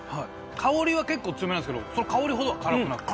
香りは結構強めなんですけど香りほどは辛くなくて。